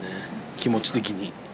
気持ち的に。